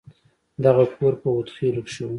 دغه کور په هود خيلو کښې و.